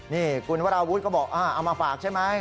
นี่คุณวราวุฒิก็บอกเอามาฝากใช่ไหม